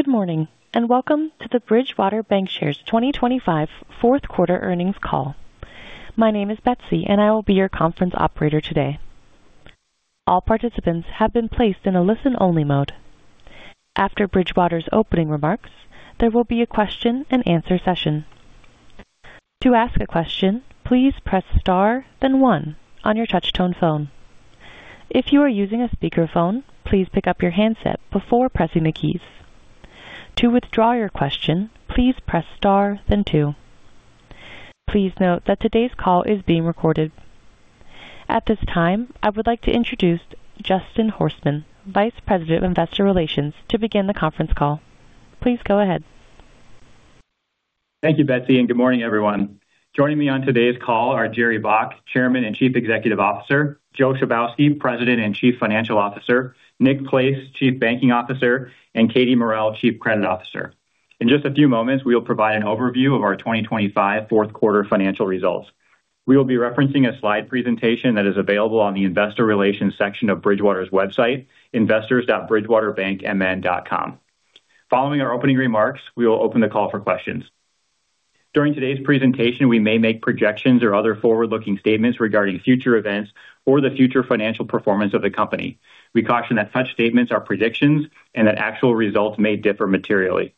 Good morning, and welcome to the Bridgewater Bancshares 2025 fourth quarter earnings call. My name is Betsy, and I will be your conference operator today. All participants have been placed in a listen-only mode. After Bridgewater's opening remarks, there will be a question-and-answer session. To ask a question, please press Star, then one on your touchtone phone. If you are using a speakerphone, please pick up your handset before pressing the keys. To withdraw your question, please press Star then two. Please note that today's call is being recorded. At this time, I would like to introduce Justin Horstman, Vice President of Investor Relations, to begin the conference call. Please go ahead. Thank you, Betsy, and good morning, everyone. Joining me on today's call are Jerry Baack, Chairman and Chief Executive Officer, Joe Chybowski, President and Chief Financial Officer, Nick Place, Chief Banking Officer, and Katie Morrell, Chief Credit Officer. In just a few moments, we will provide an overview of our 2025 fourth quarter financial results. We will be referencing a slide presentation that is available on the Investor Relations section of Bridgewater's website, investors.bridgewaterbankmn.com. Following our opening remarks, we will open the call for questions. During today's presentation, we may make projections or other forward-looking statements regarding future events or the future financial performance of the company. We caution that such statements are predictions and that actual results may differ materially.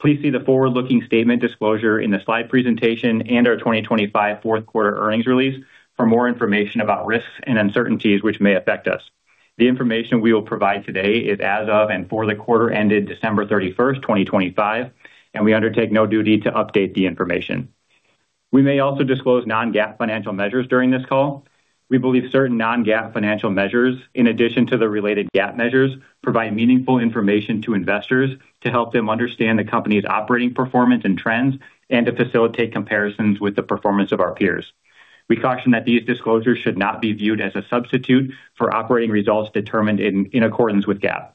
Please see the forward-looking statement disclosure in the slide presentation and our 2025 fourth quarter earnings release for more information about risks and uncertainties which may affect us. The information we will provide today is as of and for the quarter ended December 31, 2025, and we undertake no duty to update the information. We may also disclose non-GAAP financial measures during this call. We believe certain non-GAAP financial measures, in addition to the related GAAP measures, provide meaningful information to investors to help them understand the company's operating performance and trends and to facilitate comparisons with the performance of our peers. We caution that these disclosures should not be viewed as a substitute for operating results determined in accordance with GAAP.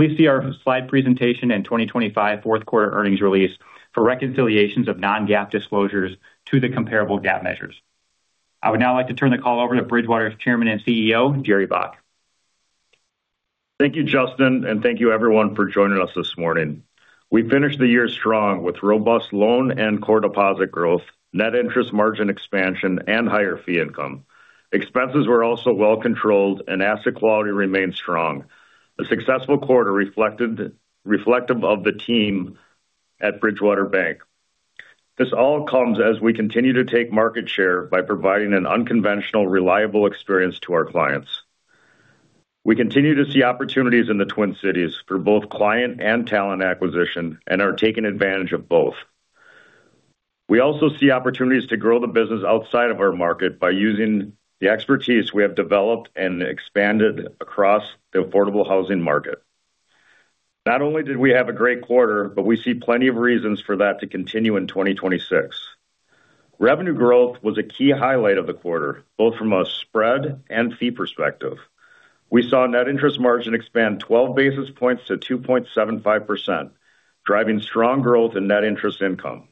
Please see our slide presentation and 2025 fourth quarter earnings release for reconciliations of non-GAAP disclosures to the comparable GAAP measures. I would now like to turn the call over to Bridgewater's Chairman and CEO, Jerry Baack. Thank you, Justin, and thank you, everyone, for joining us this morning. We finished the year strong with robust loan and core deposit growth, net interest margin expansion, and higher fee income. Expenses were also well controlled and asset quality remained strong. A successful quarter reflective of the team at Bridgewater Bank. This all comes as we continue to take market share by providing an unconventional, reliable experience to our clients. We continue to see opportunities in the Twin Cities for both client and talent acquisition and are taking advantage of both. We also see opportunities to grow the business outside of our market by using the expertise we have developed and expanded across the affordable housing market. Not only did we have a great quarter, but we see plenty of reasons for that to continue in 2026. Revenue growth was a key highlight of the quarter, both from a spread and fee perspective. We saw net interest margin expand 12 basis points to 2.75%, driving strong growth in net interest income.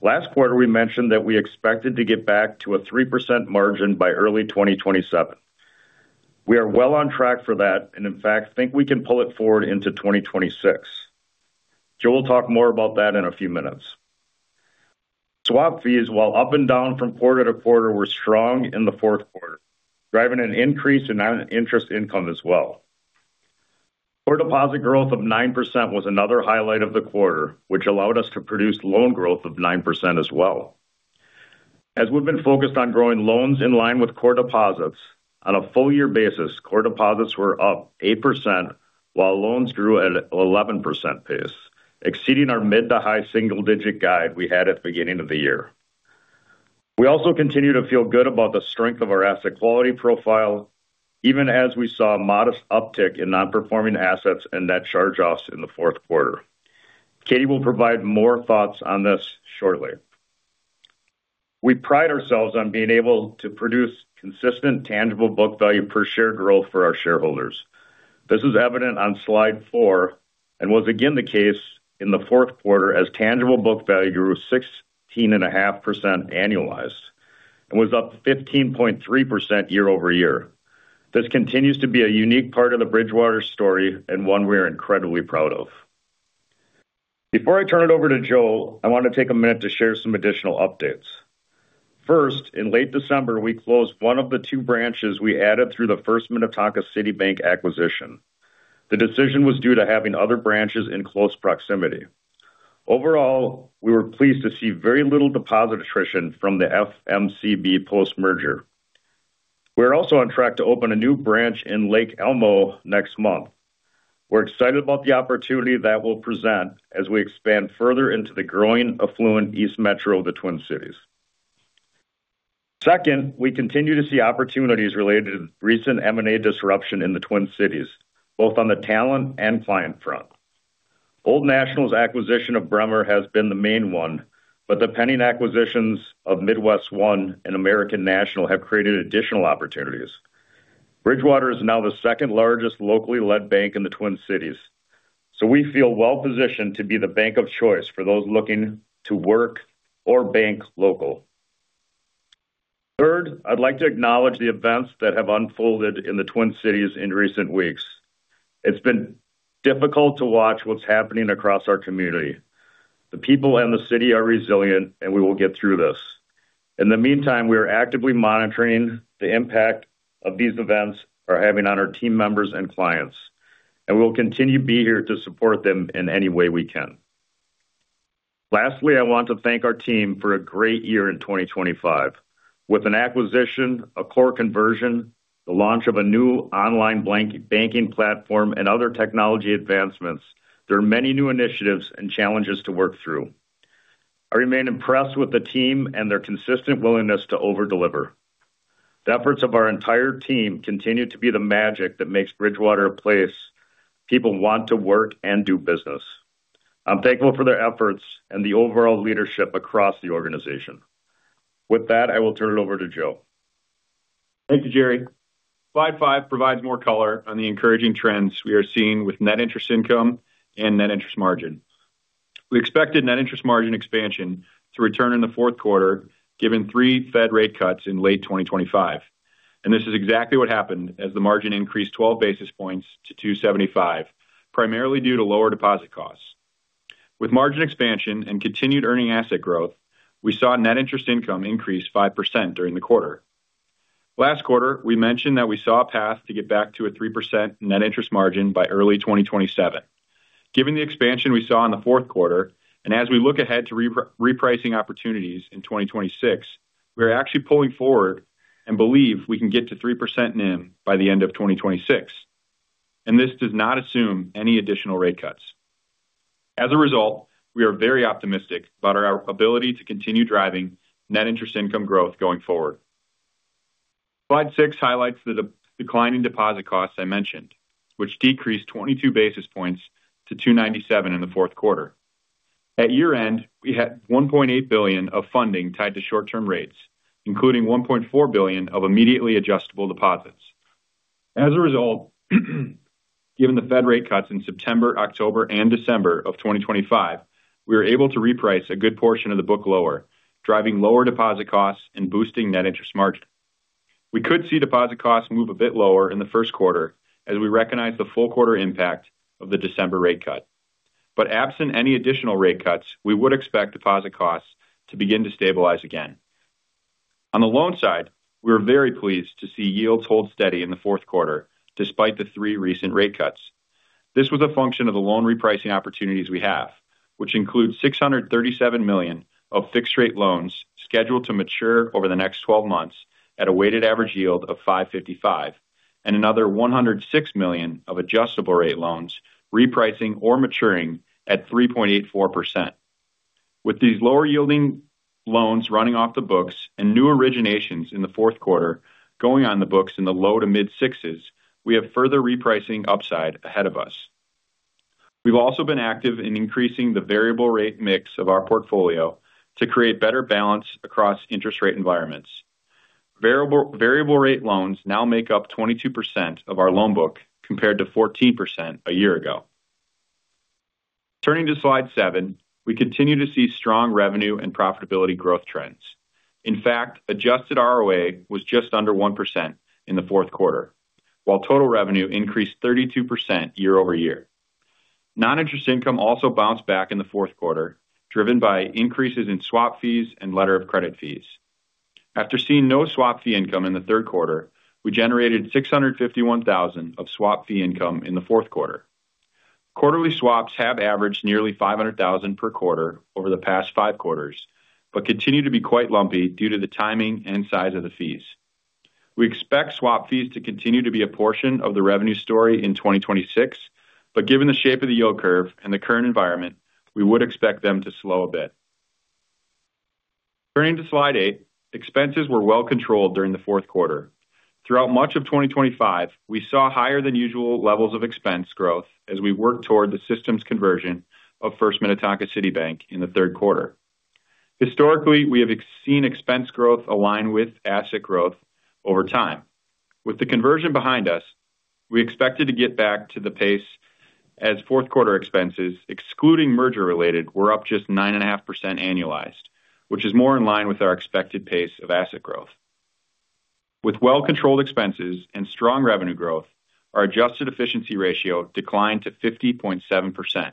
Last quarter, we mentioned that we expected to get back to a 3% margin by early 2027. We are well on track for that and in fact, think we can pull it forward into 2026. Joe will talk more about that in a few minutes. Swap fees, while up and down from quarter to quarter, were strong in the fourth quarter, driving an increase in net interest income as well. Core deposit growth of 9% was another highlight of the quarter, which allowed us to produce loan growth of 9% as well. As we've been focused on growing loans in line with core deposits, on a full year basis, core deposits were up 8%, while loans grew at 11% pace, exceeding our mid- to high-single-digit guide we had at the beginning of the year. We also continue to feel good about the strength of our asset quality profile, even as we saw a modest uptick in non-performing assets and net charge-offs in the fourth quarter. Katie will provide more thoughts on this shortly. We pride ourselves on being able to produce consistent tangible book value per share growth for our shareholders. This is evident on slide four and was again the case in the fourth quarter as tangible book value grew 16.5% annualized and was up 15.3% year-over-year. This continues to be a unique part of the Bridgewater story and one we are incredibly proud of. Before I turn it over to Joe, I want to take a minute to share some additional updates. First, in late December, we closed one of the 2 branches we added through the First Minnetonka City Bank acquisition. The decision was due to having other branches in close proximity. Overall, we were pleased to see very little deposit attrition from the FMCB post-merger. We're also on track to open a new branch in Lake Elmo next month. We're excited about the opportunity that will present as we expand further into the growing affluent East Metro of the Twin Cities. Second, we continue to see opportunities related to recent M&A disruption in the Twin Cities, both on the talent and client front. Old National's acquisition of Bremer has been the main one, but the pending acquisitions of MidWestOne and American National have created additional opportunities. Bridgewater is now the second-largest locally led bank in the Twin Cities, so we feel well positioned to be the bank of choice for those looking to work or bank local. Third, I'd like to acknowledge the events that have unfolded in the Twin Cities in recent weeks. It's been difficult to watch what's happening across our community. The people and the city are resilient, and we will get through this. In the meantime, we are actively monitoring the impact these events are having on our team members and clients, and we'll continue to be here to support them in any way we can. Lastly, I want to thank our team for a great year in 2025. With an acquisition, a core conversion, the launch of a new online banking platform, and other technology advancements, there are many new initiatives and challenges to work through. I remain impressed with the team and their consistent willingness to over-deliver. The efforts of our entire team continue to be the magic that makes Bridgewater a place people want to work and do business. I'm thankful for their efforts and the overall leadership across the organization. With that, I will turn it over to Joe. Thank you, Jerry. Slide 5 provides more color on the encouraging trends we are seeing with net interest income and net interest margin. We expected net interest margin expansion to return in the fourth quarter, given three Fed rate cuts in late 2025. This is exactly what happened as the margin increased 12 basis points to 2.75%, primarily due to lower deposit costs. With margin expansion and continued earning asset growth, we saw net interest income increase 5% during the quarter. Last quarter, we mentioned that we saw a path to get back to a 3% net interest margin by early 2027. Given the expansion we saw in the fourth quarter, and as we look ahead to repricing opportunities in 2026, we are actually pulling forward and believe we can get to 3% NIM by the end of 2026, and this does not assume any additional rate cuts. As a result, we are very optimistic about our ability to continue driving net interest income growth going forward. Slide 6 highlights the declining deposit costs I mentioned, which decreased 22 basis points to 2.97% in the fourth quarter. At year-end, we had $1.8 billion of funding tied to short-term rates, including $1.4 billion of immediately adjustable deposits. As a result, given the Fed rate cuts in September, October, and December of 2025, we were able to reprice a good portion of the book lower, driving lower deposit costs and boosting net interest margin. We could see deposit costs move a bit lower in the first quarter as we recognize the full quarter impact of the December rate cut. But absent any additional rate cuts, we would expect deposit costs to begin to stabilize again. On the loan side, we're very pleased to see yields hold steady in the fourth quarter, despite the 3 recent rate cuts. This was a function of the loan repricing opportunities we have, which includes $637 million of fixed-rate loans scheduled to mature over the next 12 months at a weighted average yield of 5.55, and another $106 million of adjustable-rate loans, repricing or maturing at 3.84%. With these lower-yielding loans running off the books and new originations in the fourth quarter, going on the books in the low to mid-6s, we have further repricing upside ahead of us. We've also been active in increasing the variable rate mix of our portfolio to create better balance across interest rate environments. Variable rate loans now make up 22% of our loan book, compared to 14% a year ago. Turning to slide 7, we continue to see strong revenue and profitability growth trends. In fact, Adjusted ROA was just under 1% in the fourth quarter, while total revenue increased 32% year-over-year. Non-interest income also bounced back in the fourth quarter, driven by increases in swap fees and letter of credit fees. After seeing no swap fee income in the third quarter, we generated $651,000 of swap fee income in the fourth quarter. Quarterly swaps have averaged nearly $500,000 per quarter over the past five quarters, but continue to be quite lumpy due to the timing and size of the fees. We expect swap fees to continue to be a portion of the revenue story in 2026, but given the shape of the yield curve and the current environment, we would expect them to slow a bit. Turning to slide 8, expenses were well controlled during the fourth quarter. Throughout much of 2025, we saw higher than usual levels of expense growth as we worked toward the systems conversion of First Minnetonka City Bank in the third quarter. Historically, we have seen expense growth align with asset growth over time. With the conversion behind us, we expected to get back to the pace as fourth quarter expenses, excluding merger-related, were up just 9.5% annualized, which is more in line with our expected pace of asset growth. With well-controlled expenses and strong revenue growth, our adjusted efficiency ratio declined to 50.7%,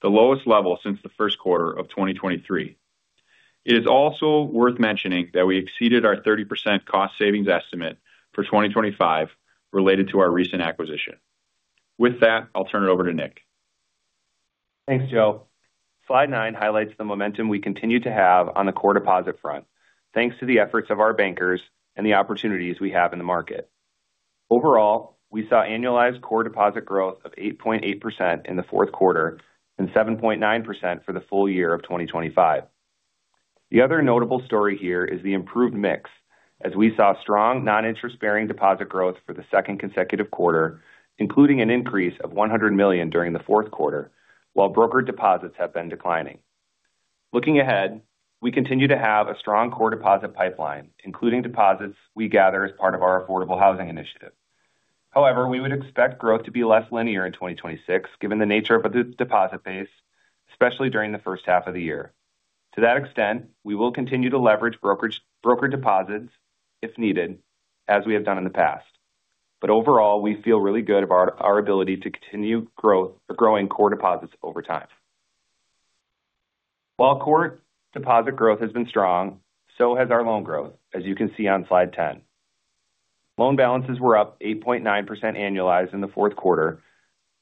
the lowest level since the first quarter of 2023. It is also worth mentioning that we exceeded our 30% cost savings estimate for 2025 related to our recent acquisition. With that, I'll turn it over to Nick. Thanks, Joe. Slide 9 highlights the momentum we continue to have on the core deposit front, thanks to the efforts of our bankers and the opportunities we have in the market. Overall, we saw annualized core deposit growth of 8.8% in the fourth quarter and 7.9% for the full year of 2025. The other notable story here is the improved mix, as we saw strong non-interest-bearing deposit growth for the second consecutive quarter, including an increase of $100 million during the fourth quarter, while brokered deposits have been declining. Looking ahead, we continue to have a strong core deposit pipeline, including deposits we gather as part of our affordable housing initiative.... however, we would expect growth to be less linear in 2026, given the nature of the deposit base, especially during the first half of the year. To that extent, we will continue to leverage brokerage, brokered deposits if needed, as we have done in the past. But overall, we feel really good about our ability to continue growth or growing core deposits over time. While core deposit growth has been strong, so has our loan growth, as you can see on slide 10. Loan balances were up 8.9% annualized in the fourth quarter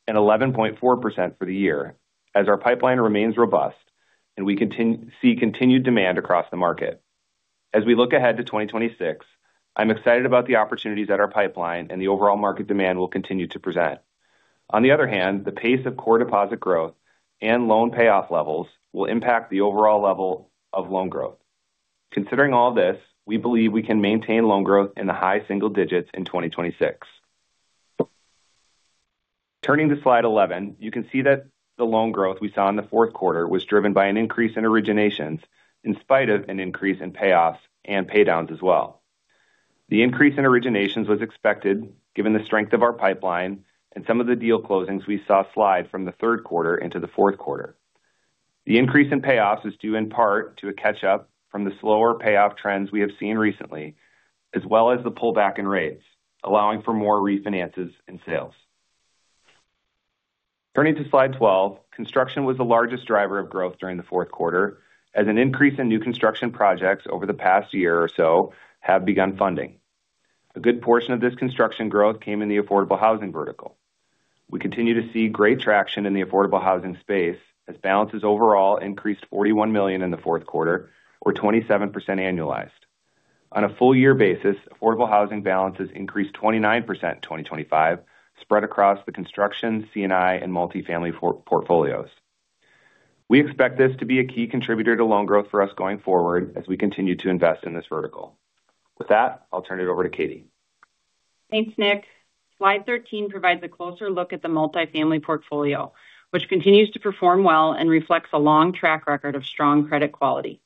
and 11.4% for the year, as our pipeline remains robust and we see continued demand across the market. As we look ahead to 2026, I'm excited about the opportunities that our pipeline and the overall market demand will continue to present. On the other hand, the pace of core deposit growth and loan payoff levels will impact the overall level of loan growth. Considering all this, we believe we can maintain loan growth in the high single digits in 2026. Turning to slide 11, you can see that the loan growth we saw in the fourth quarter was driven by an increase in originations, in spite of an increase in payoffs and paydowns as well. The increase in originations was expected, given the strength of our pipeline and some of the deal closings we saw slide from the third quarter into the fourth quarter. The increase in payoffs is due in part to a catch-up from the slower payoff trends we have seen recently, as well as the pullback in rates, allowing for more refinances and sales. Turning to slide 12, construction was the largest driver of growth during the fourth quarter, as an increase in new construction projects over the past year or so have begun funding. A good portion of this construction growth came in the affordable housing vertical. We continue to see great traction in the affordable housing space, as balances overall increased $41 million in the fourth quarter, or 27% annualized. On a full year basis, affordable housing balances increased 29% in 2025, spread across the construction, C&I, and multifamily portfolios. We expect this to be a key contributor to loan growth for us going forward as we continue to invest in this vertical. With that, I'll turn it over to Katie. Thanks, Nick. Slide 13 provides a closer look at the multifamily portfolio, which continues to perform well and reflects a long track record of strong credit quality.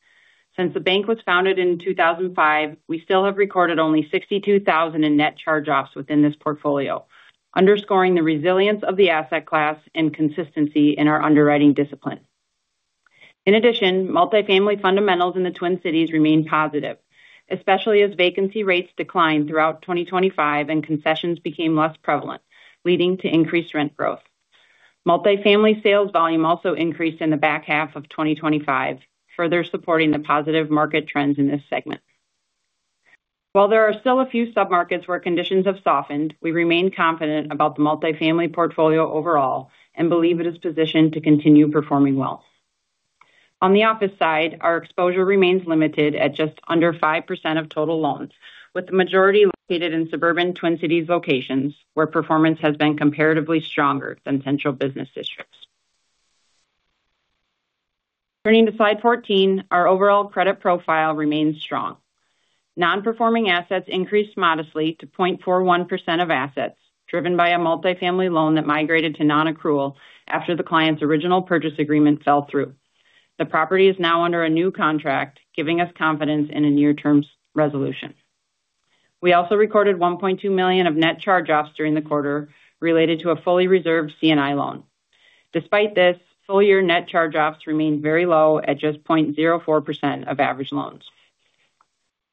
Since the bank was founded in 2005, we still have recorded only $62,000 in net charge-offs within this portfolio, underscoring the resilience of the asset class and consistency in our underwriting discipline. In addition, multifamily fundamentals in the Twin Cities remain positive, especially as vacancy rates declined throughout 2025 and concessions became less prevalent, leading to increased rent growth. Multifamily sales volume also increased in the back half of 2025, further supporting the positive market trends in this segment. While there are still a few submarkets where conditions have softened, we remain confident about the multifamily portfolio overall and believe it is positioned to continue performing well. On the office side, our exposure remains limited at just under 5% of total loans, with the majority located in suburban Twin Cities locations, where performance has been comparatively stronger than central business districts. Turning to slide 14, our overall credit profile remains strong. Non-performing assets increased modestly to 0.41% of assets, driven by a multifamily loan that migrated to non-accrual after the client's original purchase agreement fell through. The property is now under a new contract, giving us confidence in a near-term resolution. We also recorded $1.2 million of net charge-offs during the quarter related to a fully reserved C&I loan. Despite this, full year net charge-offs remained very low, at just 0.04% of average loans.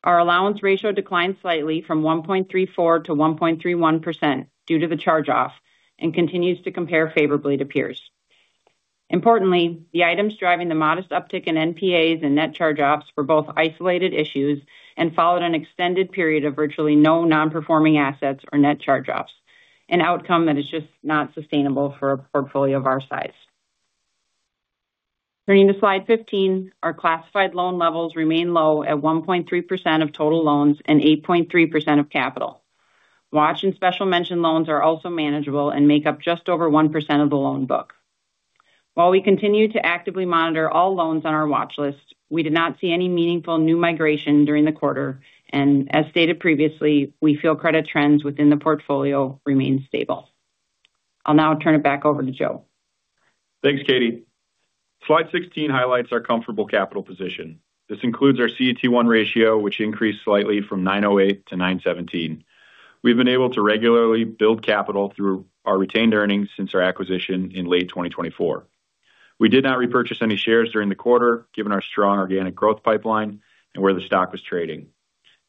Our allowance ratio declined slightly from 1.34% to 1.31% due to the charge-off and continues to compare favorably to peers. Importantly, the items driving the modest uptick in NPAs and net charge-offs were both isolated issues and followed an extended period of virtually no non-performing assets or net charge-offs, an outcome that is just not sustainable for a portfolio of our size. Turning to slide 15, our classified loan levels remain low at 1.3% of total loans and 8.3% of capital. Watch and special mention loans are also manageable and make up just over 1% of the loan book. While we continue to actively monitor all loans on our watch list, we did not see any meaningful new migration during the quarter, and as stated previously, we feel credit trends within the portfolio remain stable. I'll now turn it back over to Joe. Thanks, Katie. Slide 16 highlights our comfortable capital position. This includes our CET1 ratio, which increased slightly from 9.08% to 9.17%. We've been able to regularly build capital through our retained earnings since our acquisition in late 2024. We did not repurchase any shares during the quarter, given our strong organic growth pipeline and where the stock was trading.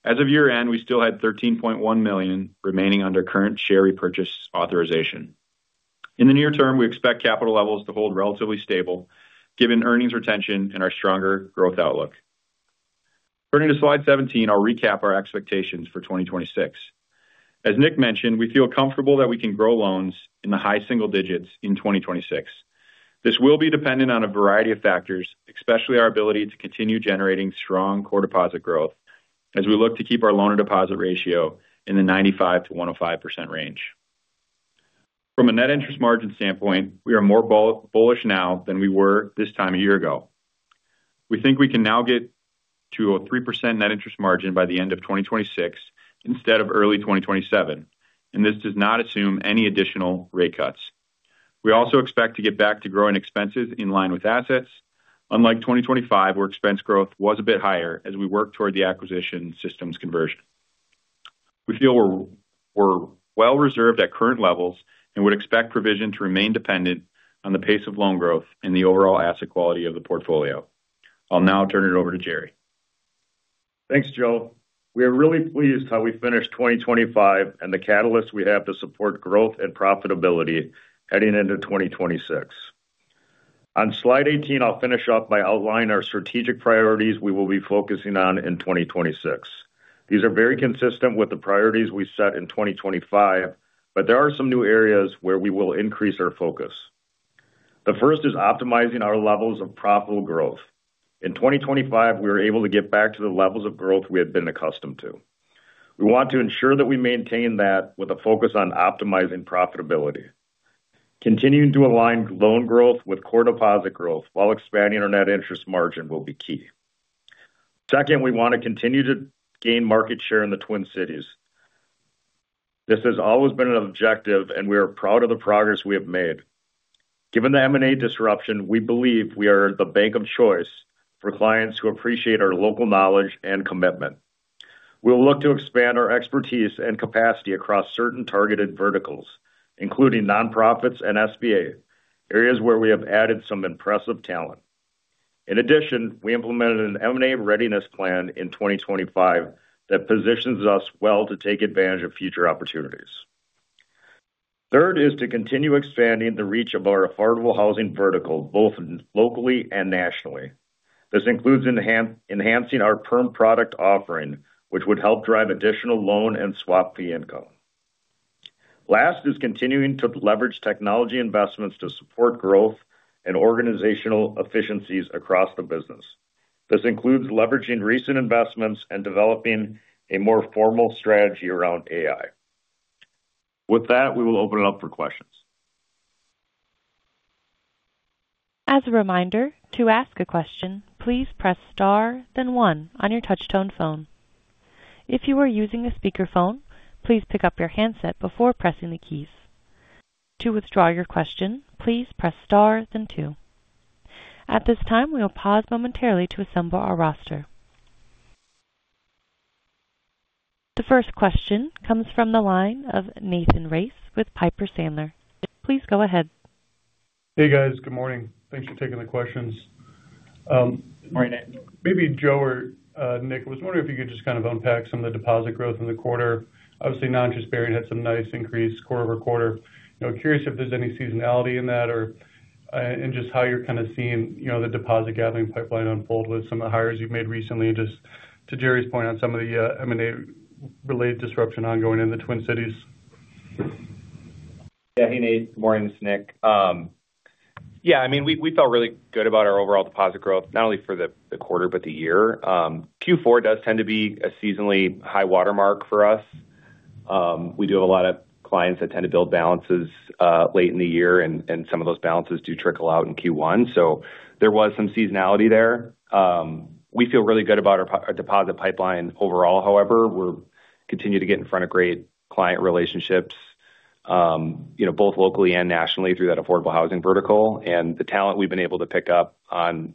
As of year-end, we still had $13.1 million remaining under current share repurchase authorization. In the near term, we expect capital levels to hold relatively stable, given earnings retention and our stronger growth outlook. Turning to slide 17, I'll recap our expectations for 2026. As Nick mentioned, we feel comfortable that we can grow loans in the high single digits in 2026. This will be dependent on a variety of factors, especially our ability to continue generating strong core deposit growth as we look to keep our loan-to-deposit ratio in the 95%-105% range. From a net interest margin standpoint, we are more bullish now than we were this time a year ago. We think we can now get to a 3% net interest margin by the end of 2026 instead of early 2027, and this does not assume any additional rate cuts. We also expect to get back to growing expenses in line with assets, unlike 2025, where expense growth was a bit higher as we worked toward the acquisition systems conversion. We feel we're well reserved at current levels and would expect provision to remain dependent on the pace of loan growth and the overall asset quality of the portfolio. I'll now turn it over to Jerry. Thanks, Joe. We are really pleased how we finished 2025 and the catalysts we have to support growth and profitability heading into 2026. On slide 18, I'll finish up by outlining our strategic priorities we will be focusing on in 2026. These are very consistent with the priorities we set in 2025, but there are some new areas where we will increase our focus. The first is optimizing our levels of profitable growth. In 2025, we were able to get back to the levels of growth we had been accustomed to. We want to ensure that we maintain that with a focus on optimizing profitability. Continuing to align loan growth with core deposit growth while expanding our net interest margin will be key. Second, we want to continue to gain market share in the Twin Cities. This has always been an objective, and we are proud of the progress we have made. Given the M&A disruption, we believe we are the bank of choice for clients who appreciate our local knowledge and commitment. We will look to expand our expertise and capacity across certain targeted verticals, including nonprofits and SBA, areas where we have added some impressive talent. In addition, we implemented an M&A readiness plan in 2025 that positions us well to take advantage of future opportunities. Third is to continue expanding the reach of our affordable housing vertical, both locally and nationally. This includes enhancing our perm product offering, which would help drive additional loan and swap fee income. Last is continuing to leverage technology investments to support growth and organizational efficiencies across the business. This includes leveraging recent investments and developing a more formal strategy around AI. With that, we will open it up for questions. As a reminder, to ask a question, please press Star, then one on your touchtone phone. If you are using a speakerphone, please pick up your handset before pressing the keys. To withdraw your question, please press Star, then two. At this time, we will pause momentarily to assemble our roster. The first question comes from the line of Nathan Race with Piper Sandler. Please go ahead. Hey, guys. Good morning. Thanks for taking the questions. Good morning, Nate. Maybe Joe or Nick, I was wondering if you could just kind of unpack some of the deposit growth in the quarter. Obviously, non-interest-bearing had some nice increase quarter-over-quarter. You know, curious if there's any seasonality in that or and just how you're kind of seeing, you know, the deposit gathering pipeline unfold with some of the hires you've made recently. Just to Jerry's point on some of the M&A-related disruption ongoing in the Twin Cities. Yeah. Hey, Nate. Good morning, it's Nick. Yeah, I mean, we felt really good about our overall deposit growth, not only for the quarter but the year. Q4 does tend to be a seasonally high watermark for us. We do have a lot of clients that tend to build balances late in the year, and some of those balances do trickle out in Q1. So there was some seasonality there. We feel really good about our deposit pipeline overall. However, we're continue to get in front of great client relationships, you know, both locally and nationally through that affordable housing vertical. And the talent we've been able to pick up on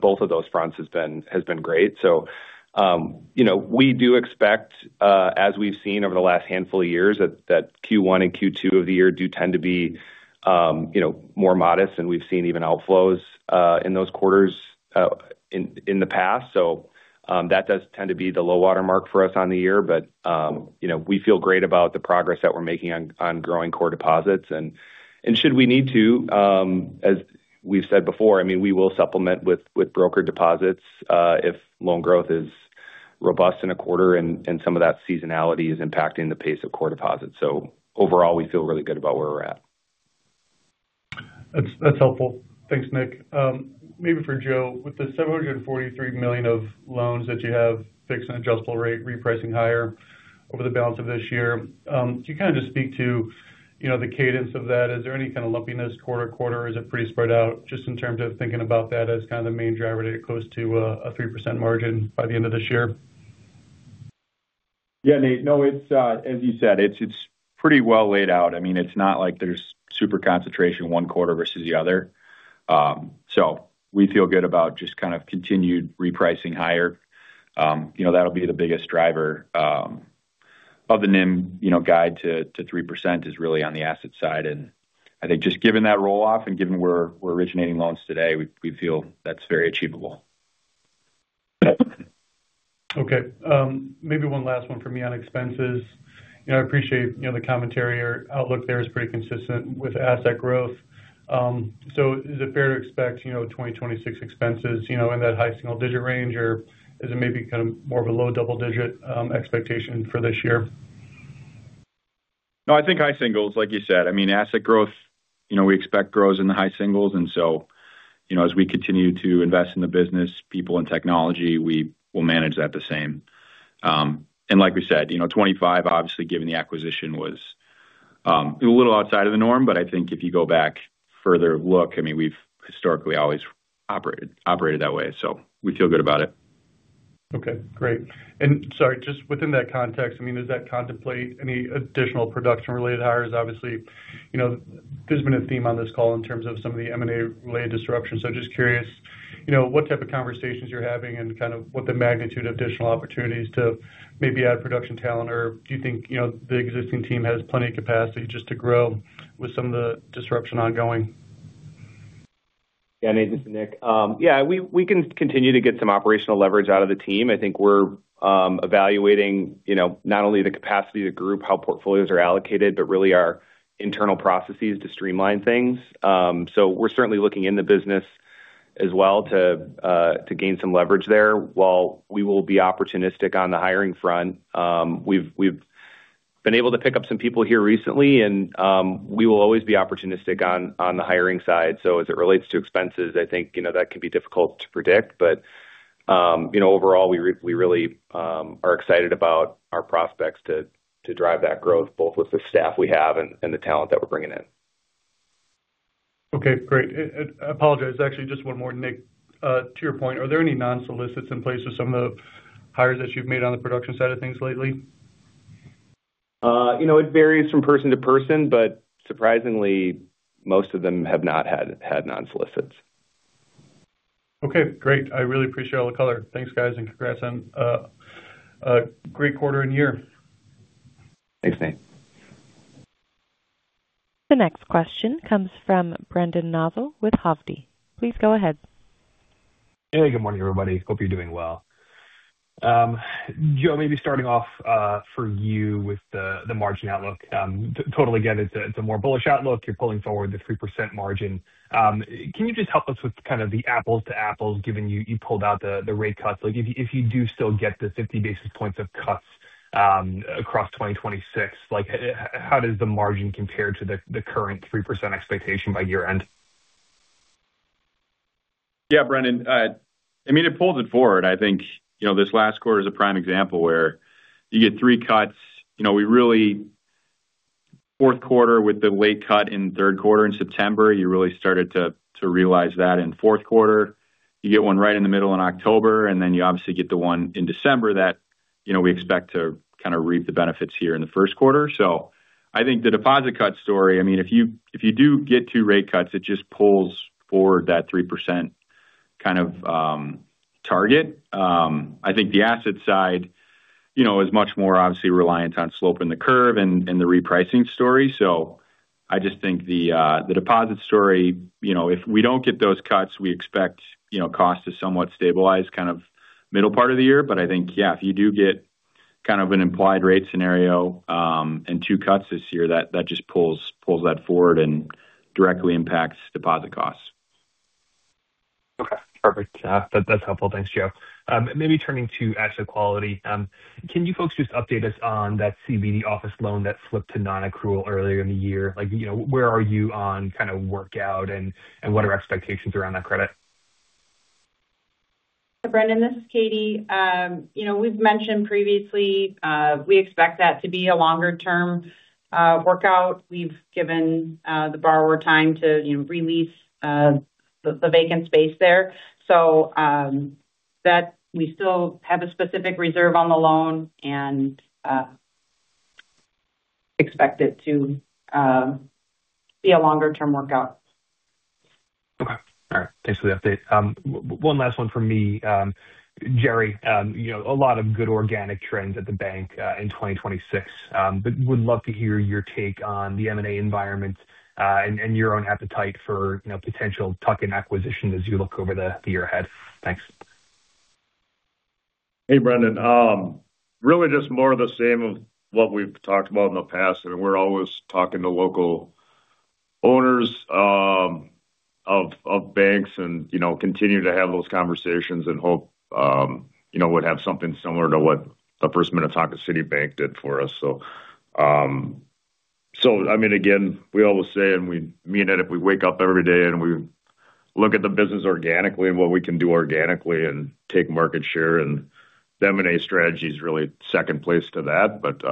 both of those fronts has been great. So, you know, we do expect, as we've seen over the last handful of years, that Q1 and Q2 of the year do tend to be, you know, more modest, and we've seen even outflows in those quarters in the past. So, that does tend to be the low water mark for us on the year. But, you know, we feel great about the progress that we're making on growing core deposits. And should we need to, as we've said before, I mean, we will supplement with brokered deposits if loan growth is robust in a quarter and some of that seasonality is impacting the pace of core deposits. So overall, we feel really good about where we're at. That's helpful. Thanks, Nick. Maybe for Joe, with the $743 million of loans that you have fixed and adjustable rate repricing higher over the balance of this year, could you kind of just speak to, you know, the cadence of that? Is there any kind of lumpiness quarter to quarter, or is it pretty spread out? Just in terms of thinking about that as kind of the main driver to get close to a 3% margin by the end of this year. Yeah, Nate. No, it's as you said, it's pretty well laid out. I mean, it's not like there's super concentration one quarter versus the other. So we feel good about just kind of continued repricing higher. You know, that'll be the biggest driver of the NIM, you know, guide to 3% is really on the asset side. And I think just given that roll-off and given where we're originating loans today, we feel that's very achievable. Okay. Maybe one last one for me on expenses. You know, I appreciate, you know, the commentary or outlook there is pretty consistent with asset growth. So is it fair to expect, you know, 2026 expenses, you know, in that high single digit range, or is it maybe kind of more of a low double-digit expectation for this year? No, I think high singles, like you said. I mean, asset growth, you know, we expect grows in the high singles, and so, you know, as we continue to invest in the business, people and technology, we will manage that the same. And like we said, you know, 25, obviously, given the acquisition, was a little outside of the norm, but I think if you go back further, look, I mean, we've historically always operated that way, so we feel good about it. ... Okay, great. And sorry, just within that context, I mean, does that contemplate any additional production-related hires? Obviously, you know, there's been a theme on this call in terms of some of the M&A-related disruption. So just curious, you know, what type of conversations you're having and kind of what the magnitude of additional opportunities to maybe add production talent, or do you think, you know, the existing team has plenty of capacity just to grow with some of the disruption ongoing? Yeah, Nate, this is Nick. Yeah, we can continue to get some operational leverage out of the team. I think we're evaluating, you know, not only the capacity of the group, how portfolios are allocated, but really our internal processes to streamline things. So we're certainly looking in the business as well to gain some leverage there. While we will be opportunistic on the hiring front, we've been able to pick up some people here recently, and we will always be opportunistic on the hiring side. So as it relates to expenses, I think, you know, that can be difficult to predict. But you know, overall, we really are excited about our prospects to drive that growth, both with the staff we have and the talent that we're bringing in. Okay, great. I apologize. Actually, just one more, Nick. To your point, are there any non-solicits in place with some of the hires that you've made on the production side of things lately? You know, it varies from person to person, but surprisingly, most of them have not had non-solicits. Okay, great. I really appreciate all the color. Thanks, guys, and congrats on a great quarter and year. Thanks, Nate. The next question comes from Brendan Nosal with Hovde. Please go ahead. Hey, good morning, everybody. Hope you're doing well. Joe, maybe starting off for you with the margin outlook. Totally get it, it's a more bullish outlook. You're pulling forward the 3% margin. Can you just help us with kind of the apples to apples, given you pulled out the rate cuts? Like, if you do still get the 50 basis points of cuts across 2026, like, how does the margin compare to the current 3% expectation by year-end? Yeah, Brendan, I mean, it pulls it forward. I think, you know, this last quarter is a prime example where you get three cuts. You know, we really fourth quarter, with the late cut in third quarter in September, you really started to realize that in fourth quarter. You get one right in the middle in October, and then you obviously get the one in December that, you know, we expect to kind of reap the benefits here in the first quarter. So I think the deposit cut story, I mean, if you, if you do get two rate cuts, it just pulls forward that 3% kind of target. I think the asset side, you know, is much more obviously reliant on sloping the curve and the repricing story. So I just think the deposit story, you know, if we don't get those cuts, we expect, you know, cost to somewhat stabilize kind of middle part of the year. But I think, yeah, if you do get kind of an implied rate scenario, and two cuts this year, that just pulls that forward and directly impacts deposit costs. Okay, perfect. That's helpful. Thanks, Joe. Maybe turning to asset quality. Can you folks just update us on that CBD office loan that flipped to non-accrual earlier in the year? Like, you know, where are you on kind of workout and what are expectations around that credit? Brendan, this is Katie. You know, we've mentioned previously, we expect that to be a longer-term workout. We've given the borrower time to, you know, re-lease the vacant space there. So, that we still have a specific reserve on the loan and expect it to be a longer-term workout. Okay. All right, thanks for the update. One last one from me. Jerry, you know, a lot of good organic trends at the bank, in 2026, but would love to hear your take on the M&A environment, and your own appetite for, you know, potential tuck-in acquisition as you look over the, the year ahead. Thanks. Hey, Brendan. Really just more of the same of what we've talked about in the past, and we're always talking to local owners of banks and, you know, continue to have those conversations and hope, you know, would have something similar to what the First Minnetonka City Bank did for us. So, so I mean, again, we always say, and we mean it, if we wake up every day and we look at the business organically and what we can do organically and take market share, and the M&A strategy is really second place to that. But,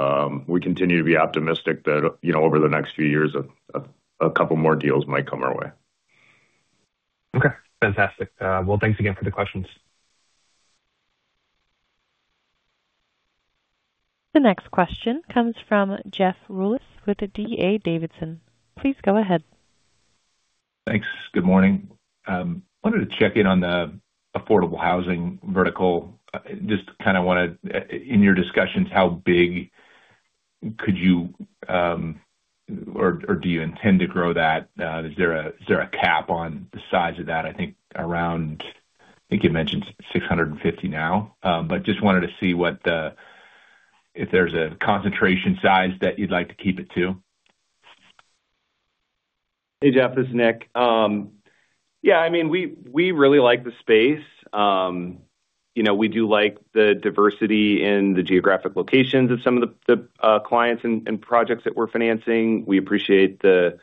we continue to be optimistic that, you know, over the next few years, a couple more deals might come our way. Okay, fantastic. Well, thanks again for the questions. The next question comes from Jeff Rulis with the D.A. Davidson. Please go ahead. Thanks. Good morning. Wanted to check in on the affordable housing vertical. Just kind of wanted, in your discussions, how big could you, or, or do you intend to grow that? Is there a cap on the size of that? I think around... I think you mentioned 650 now, but just wanted to see what the, if there's a concentration size that you'd like to keep it to. Hey, Jeff, this is Nick. Yeah, I mean, we really like the space. You know, we do like the diversity in the geographic locations of some of the clients and projects that we're financing. We appreciate the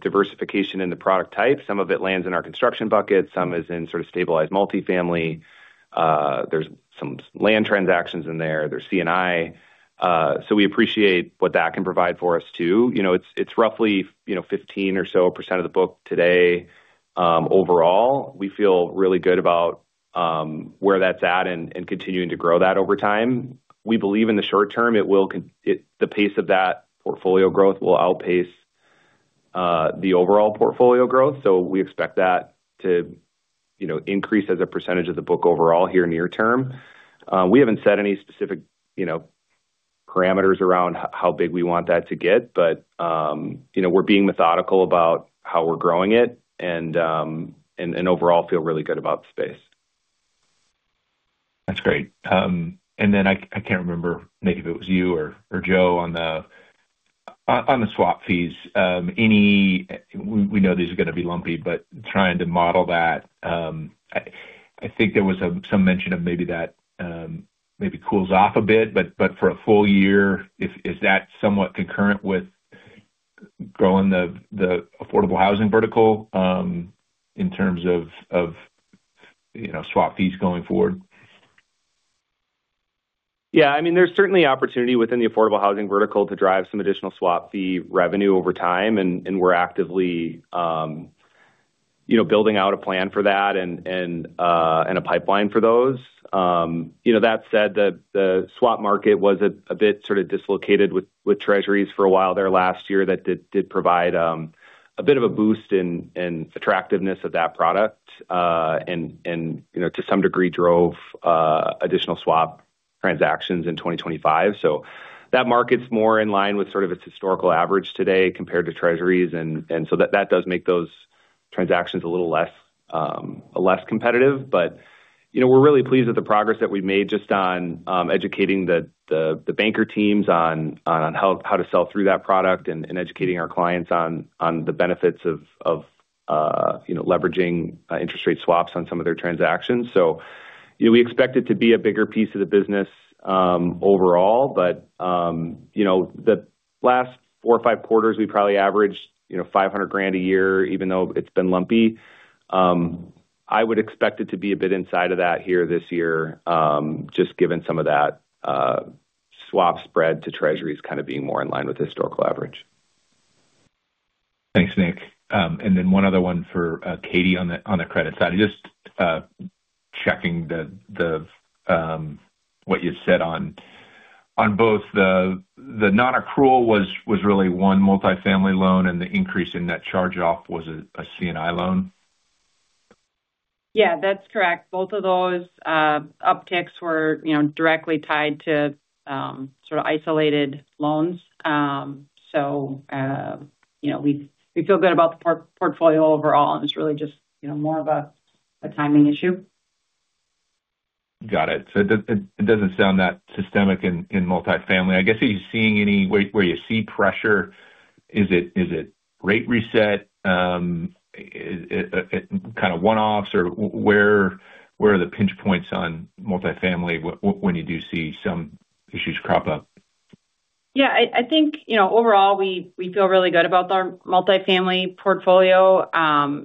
diversification in the product type. Some of it lands in our construction bucket, some is in sort of stabilized multifamily... there's some land transactions in there, there's C&I. So we appreciate what that can provide for us, too. You know, it's roughly 15% or so of the book today. Overall, we feel really good about where that's at and continuing to grow that over time. We believe in the short term, the pace of that portfolio growth will outpace the overall portfolio growth. So we expect that to, you know, increase as a percentage of the book overall here near term. We haven't set any specific, you know, parameters around how big we want that to get, but, you know, we're being methodical about how we're growing it and overall, feel really good about the space. That's great. And then I can't remember, Nick, if it was you or Joe on the swap fees. We know these are going to be lumpy, but trying to model that, I think there was some mention of maybe that maybe cools off a bit, but for a full year, is that somewhat concurrent with growing the affordable housing vertical, in terms of, you know, swap fees going forward? Yeah, I mean, there's certainly opportunity within the affordable housing vertical to drive some additional swap fee revenue over time, and we're actively, you know, building out a plan for that and a pipeline for those. You know, that said, the swap market was a bit sort of dislocated with Treasuries for a while there last year. That did provide a bit of a boost in attractiveness of that product, and you know, to some degree, drove additional swap transactions in 2025. So that market's more in line with sort of its historical average today compared to Treasuries, and so that does make those transactions a little less competitive. But, you know, we're really pleased with the progress that we've made just on educating the banker teams on how to sell through that product and educating our clients on the benefits of you know, leveraging interest rate swaps on some of their transactions. So, you know, we expect it to be a bigger piece of the business overall, but you know, the last four or five quarters, we probably averaged you know, $500,000 a year, even though it's been lumpy. I would expect it to be a bit inside of that here this year, just given some of that swap spread to Treasuries kind of being more in line with historical average. Thanks, Nick. And then one other one for Katie on the credit side. Just checking what you said on both the non-accrual was really one multifamily loan, and the increase in net charge-off was a C&I loan? Yeah, that's correct. Both of those upticks were, you know, directly tied to sort of isolated loans. So, you know, we feel good about the portfolio overall, and it's really just, you know, more of a timing issue. Got it. So it doesn't sound that systemic in multifamily. I guess, are you seeing any... Where you see pressure, is it rate reset? Kind of one-offs, or where are the pinch points on multifamily, when you do see some issues crop up? Yeah, I think, you know, overall, we feel really good about our multifamily portfolio.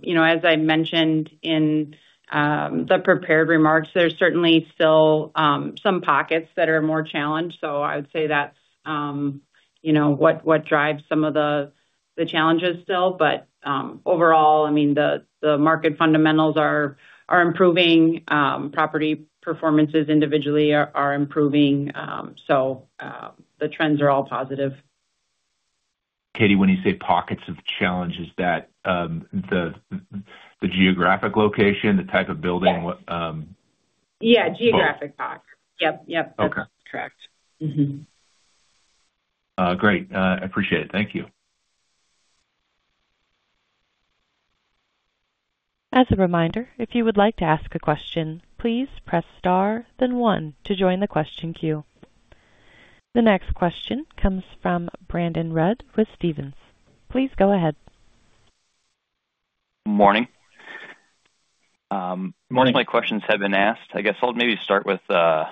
You know, as I mentioned in the prepared remarks, there's certainly still some pockets that are more challenged. So I would say that's, you know, what drives some of the challenges still. But, overall, I mean, the market fundamentals are improving. Property performances individually are improving. So, the trends are all positive. Katie, when you say pockets of challenge, is that the geographic location, the type of building? Yes. Yeah, geographic pockets. Okay. Yep, yep. That's correct. Mm-hmm. Great, appreciate it. Thank you. As a reminder, if you would like to ask a question, please press Star, then one to join the question queue. The next question comes from Brandon Rud with Stephens. Please go ahead. Morning. Morning. Most of my questions have been asked. I guess I'll maybe start with the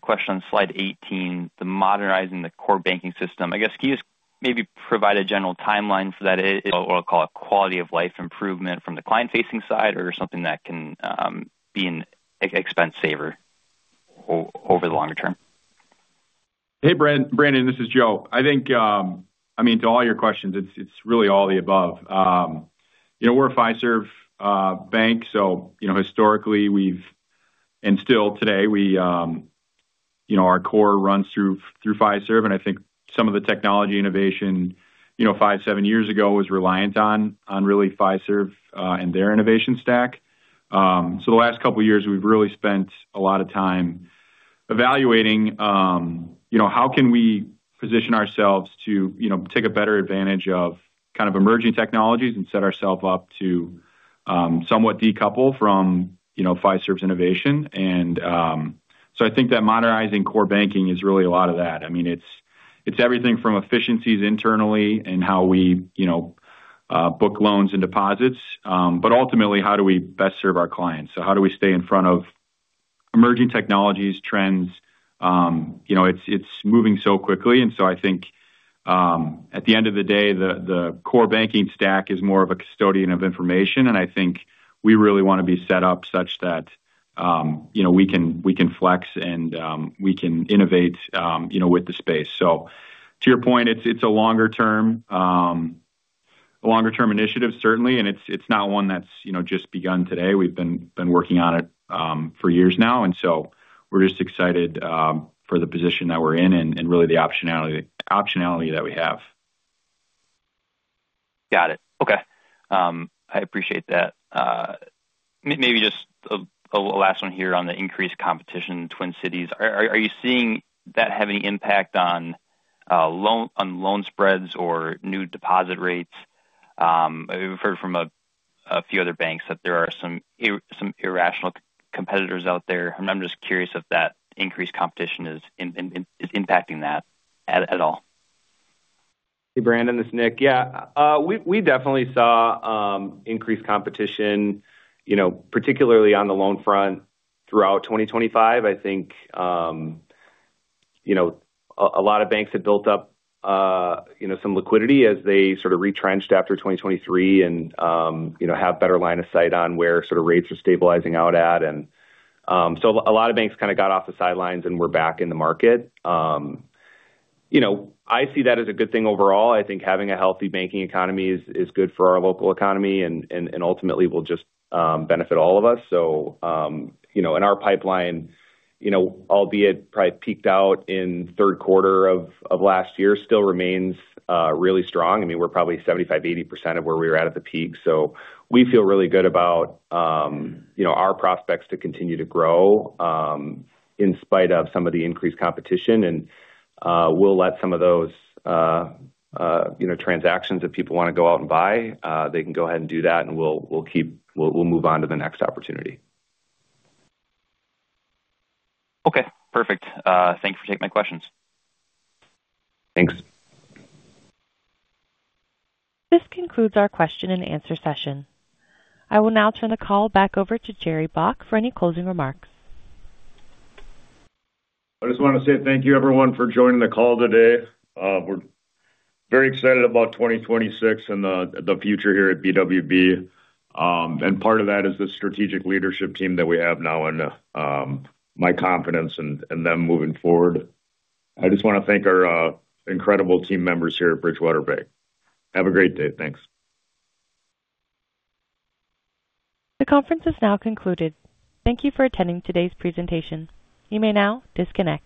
question on slide 18, the modernizing the core banking system. I guess, can you just maybe provide a general timeline for that, I-what I'll call a quality of life improvement from the client-facing side or something that can be an expense saver over the longer term? Hey, Brandon, this is Joe. I think, I mean, to all your questions, it's, it's really all the above. You know, we're a Fiserv bank, so you know, historically, we've... and still today, we, you know, our core runs through, through Fiserv, and I think some of the technology innovation, you know, 5, 7 years ago, was reliant on, on really Fiserv, and their innovation stack. So the last couple of years, we've really spent a lot of time evaluating, you know, how can we position ourselves to, you know, take a better advantage of kind of emerging technologies and set ourselves up to, somewhat decouple from, you know, Fiserv's innovation. And, so I think that modernizing core banking is really a lot of that. I mean, it's, it's everything from efficiencies internally and how we, you know, book loans and deposits. But ultimately, how do we best serve our clients? So how do we stay in front of emerging technologies, trends? You know, it's, it's moving so quickly, and so at the end of the day, the core banking stack is more of a custodian of information, and I think we really want to be set up such that, you know, we can, we can flex and, we can innovate, you know, with the space. So to your point, it's, it's a longer term, a longer term initiative, certainly, and it's, it's not one that's, you know, just begun today. We've been working on it for years now, and so we're just excited for the position that we're in and really the optionality that we have. Got it. Okay. I appreciate that. Maybe just a last one here on the increased competition in Twin Cities. Are you seeing that have any impact on loan spreads or new deposit rates? We've heard from a few other banks that there are some irrational competitors out there, and I'm just curious if that increased competition is impacting that at all. Hey, Brandon, this is Nick. Yeah, we definitely saw increased competition, you know, particularly on the loan front throughout 2025. I think, you know, a lot of banks had built up some liquidity as they sort of retrenched after 2023 and have better line of sight on where sort of rates are stabilizing out at. And so a lot of banks kind of got off the sidelines and were back in the market. You know, I see that as a good thing overall. I think having a healthy banking economy is good for our local economy and ultimately will just benefit all of us. So, you know, in our pipeline, you know, albeit probably peaked out in third quarter of last year, still remains really strong. I mean, we're probably 75%-80% of where we were at the peak. So we feel really good about, you know, our prospects to continue to grow, in spite of some of the increased competition. And we'll let some of those, you know, transactions, if people want to go out and buy, they can go ahead and do that, and we'll keep. We'll move on to the next opportunity. Okay, perfect. Thank you for taking my questions. Thanks. This concludes our question-and-answer session. I will now turn the call back over to Jerry Baack for any closing remarks. I just want to say thank you, everyone, for joining the call today. We're very excited about 2026 and the, the future here at BWB. Part of that is the strategic leadership team that we have now and, my confidence in, in them moving forward. I just want to thank our incredible team members here at Bridgewater Bank. Have a great day. Thanks. The conference is now concluded. Thank you for attending today's presentation. You may now disconnect.